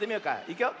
いくよ。